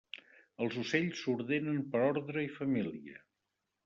Els ocells s'ordenen per ordre i família.